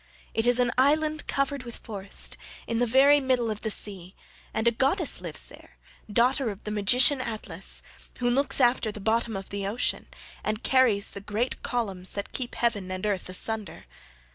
It is an island covered with forest, in the very middle of the sea, and a goddess lives there, daughter of the magician Atlas, who looks after the bottom of the ocean, and carries the great columns that keep heaven and earth asunder.